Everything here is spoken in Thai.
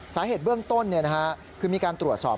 สาเหตุเบื้องต้นคือมีการตรวจสอบ